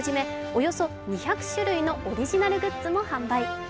およそ２００種類のオリジナルグッズも販売。